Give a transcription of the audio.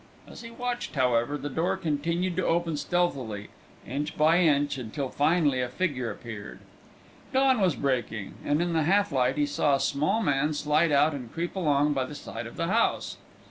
As he watched, however, the door continued to open stealthily, inch by inch, until finally a figure appeared. Dawn was breaking, and in the half light he saw a small man slide out and creep along by the side of the house.